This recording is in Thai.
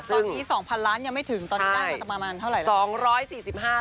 ตอนนี้๒๐๐๐ล้านยังไม่ถึงตอนนี้ได้มาประมาณเท่าไหร่